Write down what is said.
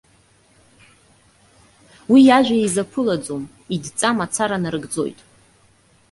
Уи иажәа изаԥылаӡом, идҵа мацара нарыгӡоит.